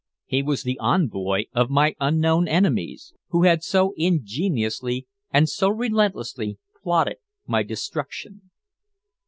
He was the envoy of my unknown enemies, who had so ingeniously and so relentlessly plotted my destruction.